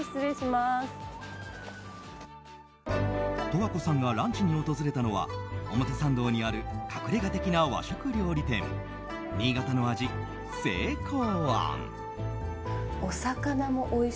十和子さんがランチに訪れたのは表参道にある隠れ家的な和食料理店にいがたの味静香庵。